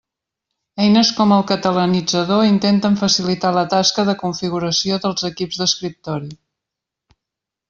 Eines com el Catalanitzador intenten facilitar la tasca de configuració dels equips d'escriptori.